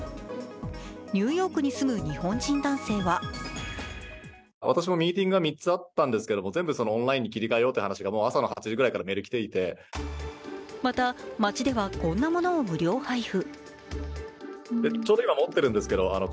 ニューヨークに住む日本人男性はまた街ではこんなものを無料配布。